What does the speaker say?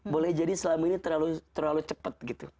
boleh jadi selama ini terlalu cepat gitu